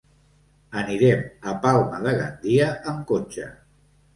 Anirem a Palma de Gandia amb cotxe.